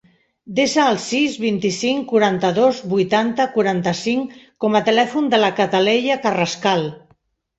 Desa el sis, vint-i-cinc, quaranta-dos, vuitanta, quaranta-cinc com a telèfon de la Cataleya Carrascal.